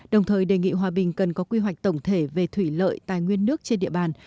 đồng thời đề nghị hòa bình cần có quy hoạch tổng thể về thủy lợi tài nguyên nước trên địa bàn